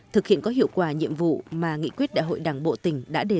thực hiện có hiệu quả nhiệm vụ mà nghị quyết đại hội đảng bộ tỉnh đã đề ra